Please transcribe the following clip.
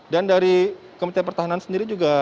dari kementerian pertahanan sendiri juga